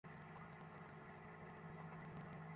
ওঁরা পার হয়ে যান, ওঁদের সঙ্গে সঙ্গে বাংলাদেশ এগিয়ে যেতে থাকে।